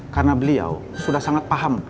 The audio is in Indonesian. karena beliau sudah sangat paham